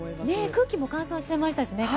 空気も乾燥してましたしね。